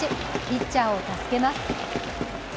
ピッチャーを助けます。